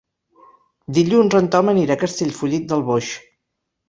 Dilluns en Tom anirà a Castellfollit del Boix.